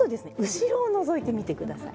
後ろをのぞいてみてください。